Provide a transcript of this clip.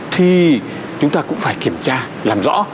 thì chúng ta cũng phải kiểm tra làm rõ